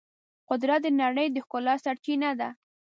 قدرت د نړۍ د ښکلا سرچینه ده.